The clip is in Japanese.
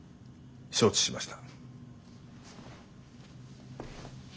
承知しました。